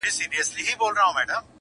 • په دې عواملو کي یو هم نه وي -